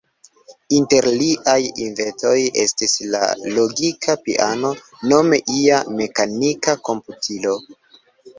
Inter liaj inventoj estis la logika piano, nome ia mekanika komputilo.